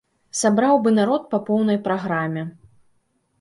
Сабраў бы народ па поўнай праграме.